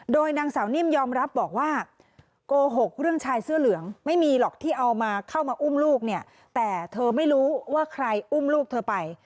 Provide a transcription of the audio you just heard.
โดยนางสาวนิ่มยอมรับบอกว่าโกหกเรื่องชายเสื้อเหลืองไม่มีหรอกที่เอามาเข้ามาอุ้มลูกเนี่ยแต่เธอไม่รู้ว่าใครอุ้มลูกเธอไป